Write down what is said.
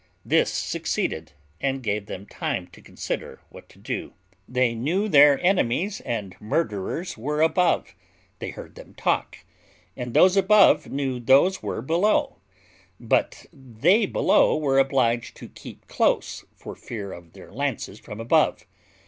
This succeeded, and gave them time to consider what to do; they knew their enemies and murderers were above; they heard them talk, and those above knew those were below; but they below were obliged to keep close for fear of their lances from above.